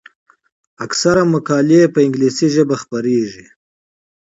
اکثره مقالې په انګلیسي ژبه خپریږي.